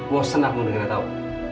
mau senangmu dengerin aku